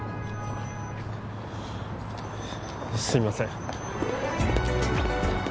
すみません